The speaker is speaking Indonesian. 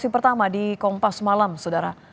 pertama di kompas malam saudara